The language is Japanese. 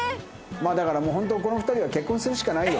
まあだからもうホントこの２人は結婚するしかないよ。